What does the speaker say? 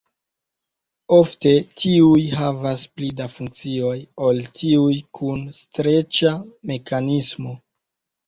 Ofte tiuj havas pli da funkcioj ol tiuj kun streĉa mekanismo.